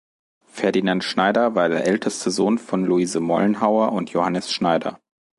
Ferdinand Schneider war der älteste Sohn von Luise Mollenhauer und Johannes Schneider.